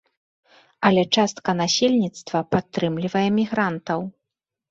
Але частка насельніцтва падтрымлівае мігрантаў.